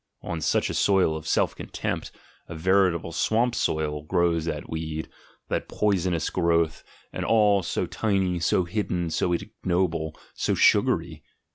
On such a soil of self contempt, a veritable swamp soil, grows that weed, that poisonous growth, and all so tiny. so hidden, so ignoble, so sugary.